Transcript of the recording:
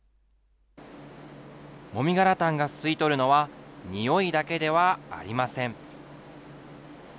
もみ殻炭が吸い取るのは臭いだけではありません。